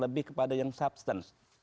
lebih kepada yang substance